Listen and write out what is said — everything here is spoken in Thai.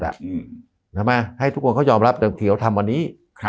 ใช่ไหมให้ทุกคนเขายอมรับว่าเขาทำวันนี้